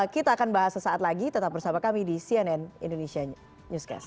kita akan bahas sesaat lagi tetap bersama kami di cnn indonesia newscast